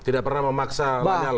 tidak pernah memaksa lanyala